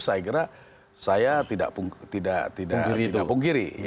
saya kira saya tidak pungkiri